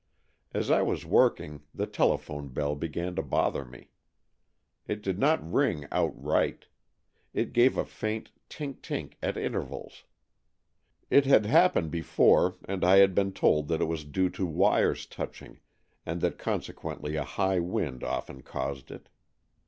As I was working, the telephone bell began to bother me. It did not ring out right. It gave a faint tink tink at intervals. It had happened before, and I had been told that it was due to wires touching, and that consequently a high wind often caused it.